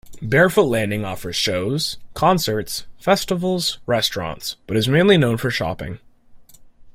Barefoot Landing offers shows, concerts, festivals, restaurants, but is mainly known for shopping.